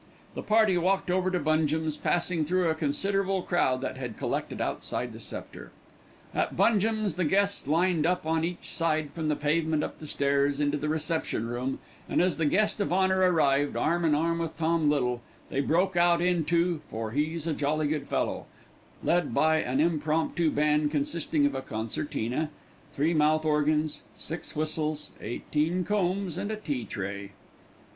The party walked over to Bungem's, passing through a considerable crowd that had collected outside the Sceptre. At Bungem's the guests lined up on each side from the pavement up the stairs into the reception room, and as the guest of honour arrived arm in arm with Tom Little they broke out into "For He's a Jolly Good Fellow," led by an impromptu band consisting of a concertina, three mouth organs, six whistles, eighteen combs, and a tea tray.